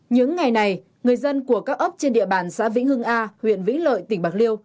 những ngày này người dân của các ấp trên địa bàn xã vĩnh hưng a huyện vĩnh lợi tỉnh bạc liêu